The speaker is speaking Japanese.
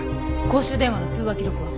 公衆電話の通話記録は？